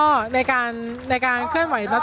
อย่างที่บอกไปว่าเรายังยึดในเรื่องของข้อ